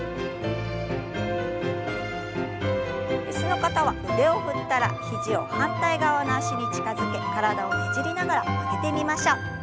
椅子の方は腕を振ったら肘を反対側の脚に近づけ体をねじりながら曲げてみましょう。